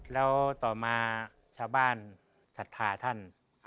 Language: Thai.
แล้วต่อมาชาวบ้านศรัทธาท่าน